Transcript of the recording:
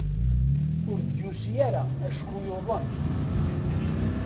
Ur d-yusi ara acku yuḍen.